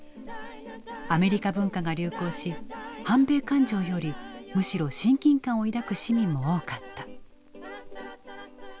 アメリカ文化が流行し反米感情よりむしろ親近感を抱く市民も多かった。